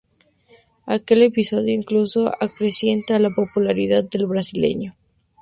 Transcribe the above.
Aquel episodio incluso acrecienta la popularidad del brasileño.